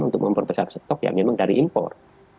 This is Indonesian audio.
untuk memperbesar stok ya memang dari impor